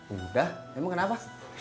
udah emang kenapa